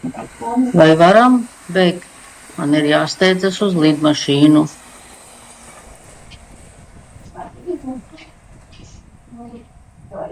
Vai varam beigt, man ir jāsteidzas uz lidmašīnu?